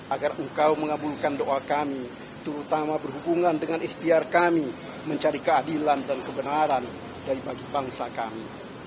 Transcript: agar engkau mengabulkan doa kami terutama berhubungan dengan ikhtiar kami mencari keadilan dan kebenaran bagi bangsa kami